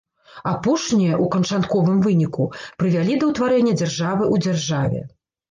Апошнія, у канчатковым выніку, прывялі да ўтварэння дзяржавы ў дзяржаве.